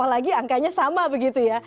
apalagi angkanya sama begitu ya